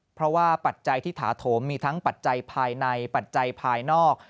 เพราะว่าปัจจัยที่ถาโถมมีทั้งปัจจัยภายในปัจจัยภายนอก